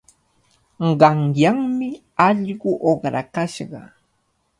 Qanyanmi allqu uqrakashqa.